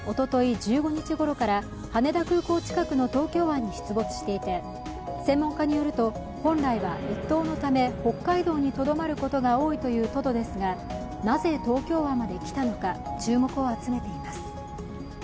１５日ごろから羽田空港近くの東京湾に出没していて専門家によると本来は越冬のため、北海道にとどまることが多いというトドですが、なぜ東京湾まで来たのか注目を集めています。